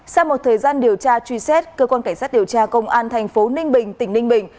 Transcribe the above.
sau một thời gian điều tra truy xét cơ quan cảnh sát điều tra công an thành phố ninh bình tỉnh ninh bình